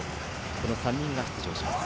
この３人が出場します。